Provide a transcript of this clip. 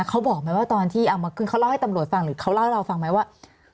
เขาบอกไหมว่าตอนที่เอามาขึ้นเขาเล่าให้ตำรวจฟังหรือเขาเล่าให้เราฟังไหมว่า